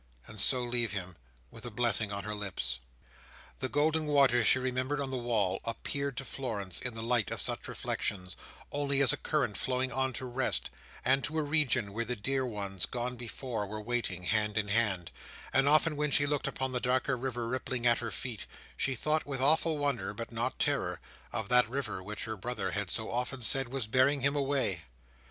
and so leave him, with a blessing on her lips. The golden water she remembered on the wall, appeared to Florence, in the light of such reflections, only as a current flowing on to rest, and to a region where the dear ones, gone before, were waiting, hand in hand; and often when she looked upon the darker river rippling at her feet, she thought with awful wonder, but not terror, of that river which her brother had so often said was bearing him away.